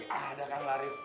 ya ada kan laris